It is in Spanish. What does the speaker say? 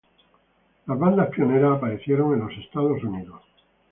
Las bandas pioneras aparecieron en Estados Unidos.